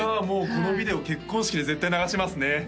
もうこのビデオ結婚式で絶対流しますね